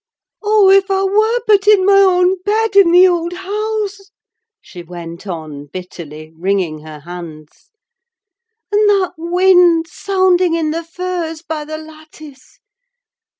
"Oh, if I were but in my own bed in the old house!" she went on bitterly, wringing her hands. "And that wind sounding in the firs by the lattice.